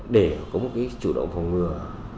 để có một cái chủ động phòng ngừa